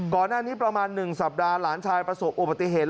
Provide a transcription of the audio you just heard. ก่อนอันนี้ประมาณหนึ่งสัปดาห์หลานชายประสบโอปฏิเหตุ